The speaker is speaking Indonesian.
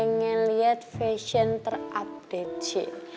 gue pengen liat fashion terupdate sih